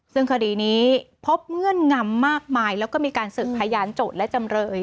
ซึ่งคดีนี้พบเงื่อนงำมากมายแล้วก็มีการสืบพยานโจทย์และจำเลย